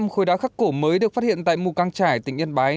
một mươi năm khối đá khắc cổ mới được phát hiện tại mù căng trải tỉnh yên bái